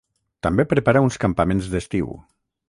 També prepara uns campaments d'estiu.